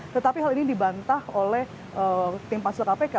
tetapi hal ini dibantah oleh tim pansel kpk